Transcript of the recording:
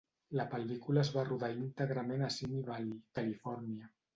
La pel·lícula es va rodar íntegrament a Simi Valley, Califòrnia.